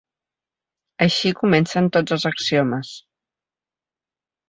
Així comencen tots els axiomes.